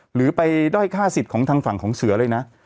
หรือไปด้วยค่าศิพย์ของทางฝั่งเสือเลยนะ